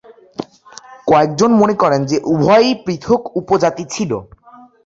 কয়েকজন মনে করেন যে উভয়ই পৃথক উপজাতি ছিল।